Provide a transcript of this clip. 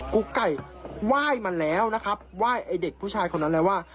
กุ๊กไก่ไหว้มาแล้วนะครับไหว้ไอ้เด็กผู้ชายคนนั้นแล้วว่า